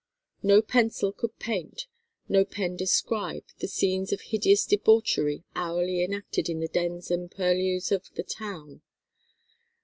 No pencil could paint, no pen describe the scenes of hideous debauchery hourly enacted in the dens and purlieus of the town.